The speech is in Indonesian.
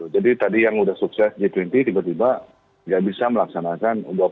jadi tadi yang sudah sukses g dua puluh tiba tiba tidak bisa melaksanakan u dua puluh